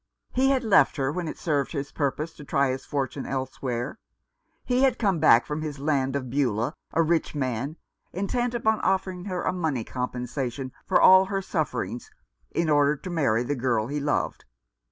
He had left her when it served his purpose to try his fortune elsewhere ; he had come back from his land of Beulah a rich man, intent upon offering her a monev compensation for all her sufferings, in order to marry the girl he loved.